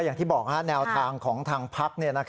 อย่างที่บอกแนวทางของทางพัก